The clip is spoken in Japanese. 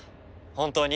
本当に。